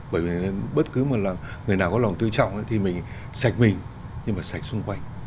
bởi vì bất cứ một là người nào có lòng tự trọng thì mình sạch mình nhưng mà sạch xung quanh